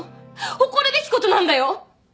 誇るべきことなんだよ！